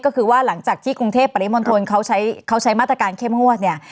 ก็คือว่าหลังจากที่กรุงเทพปริมณฑลเขาใช้มาตรการเข้มหวัด